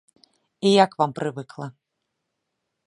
І я к вам прывыкла.